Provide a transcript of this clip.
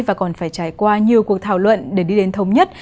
và còn phải trải qua nhiều cuộc thảo luận để đi đến thống nhất